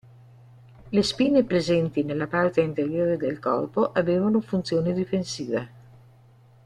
Le spine presenti nella parte anteriore del corpo avevano funzione difensiva.